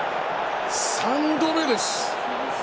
３度目です。